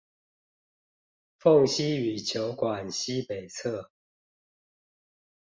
鳳西羽球館西北側